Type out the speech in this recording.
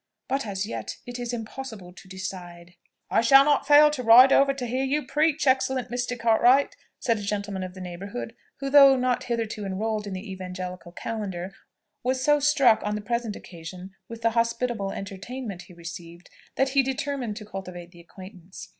But as yet it is impossible to decide." "I shall not fail to ride over to hear you preach, excellent Mr. Cartwright!" said a gentleman of the neighbourhood, who, though not hitherto enrolled in the evangelical calendar, was so struck on the present occasion with the hospitable entertainment he received, that he determined to cultivate the acquaintance.